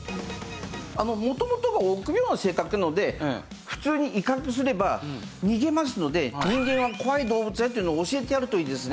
元々が臆病な性格なので普通に威嚇すれば逃げますので人間は怖い動物だよというのを教えてやるといいですね。